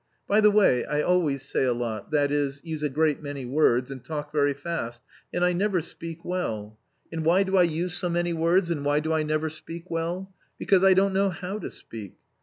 By the way, I always say a lot, that is, use a great many words and talk very fast, and I never speak well. And why do I use so many words, and why do I never speak well? Because I don't know how to speak.